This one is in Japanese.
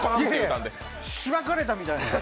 しばかれたみたいな。